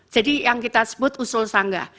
yang kita sebut usul sanggah